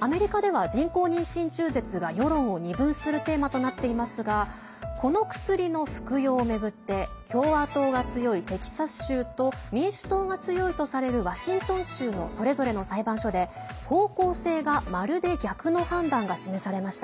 アメリカでは人工妊娠中絶が世論を二分するテーマとなっていますがこの薬の服用を巡って共和党が強いテキサス州と民主党が強いとされるワシントン州のそれぞれの裁判所で、方向性がまるで逆の判断が示されました。